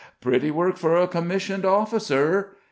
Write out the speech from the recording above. "Pretty work for a commissioned officer!"